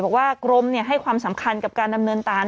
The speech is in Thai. บอกว่ากรมเนี่ยให้ความสำคัญกับการดำเนินตาน